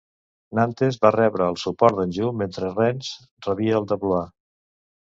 Nantes va rebre el suport d'Anjou mentre Rennes rebia el de Blois.